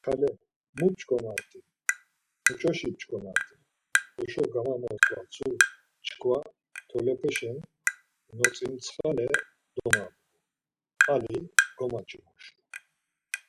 Kale mu p̌ç̌ǩomat̆i, muç̌oşi p̌ç̌ǩomat̆i, heşo gamamot̆ǩvatsu çkva tolepeşen notsintsxale domabğu, ali gomaç̌imoşu.